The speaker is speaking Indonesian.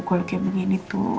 kalau kayak begini tuh